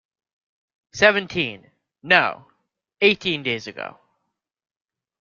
Seventeen, no, eighteen days ago.